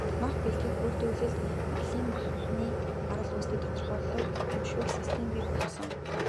Мах бэлтгэл, үйлдвэрлэлд малын махны гарал үүслийг тодорхойлох, мөшгөх систем бий болгосон.